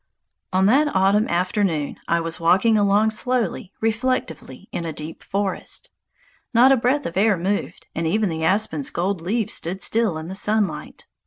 On that autumn afternoon I was walking along slowly, reflectively, in a deep forest. Not a breath of air moved, and even the aspen's golden leaves stood still in the sunlight.